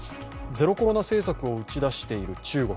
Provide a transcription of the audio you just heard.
ゼロコロナ政策を打ち出している中国。